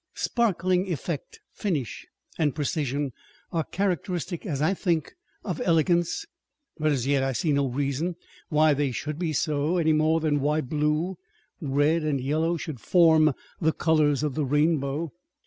Sparkling effect, finish, and precision are characteristic, as I think, of elegance, but as yet I see no reason why they should be so, any more than why blue, red, and yellow should form the colours of the rainbow.